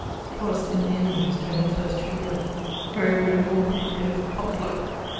'Twas in the innermost where he first drew breath. [XCVII.] Quaere William Aubrey if ... Potluck.